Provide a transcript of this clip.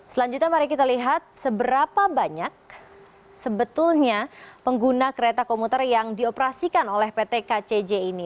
selanjutnya mari kita lihat seberapa banyak sebetulnya pengguna kereta komuter yang dioperasikan oleh pt kcj ini